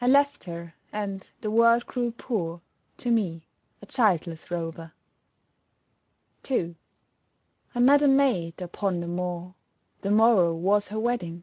I left her and the world grew poor To me, a childless rover. 2 I met a maid upon the moor, The morrow was her wedding.